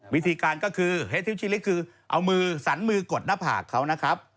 วิธีการก็คือเฮดทิวชิลิกคือเอามือสันมือกดหน้าผากเขานะครับ